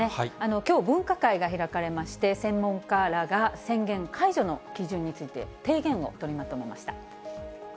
きょう、分科会が開かれまして、専門家らが宣言解除の基準について、提言を取りまとめました。